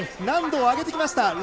難度を上げてきました。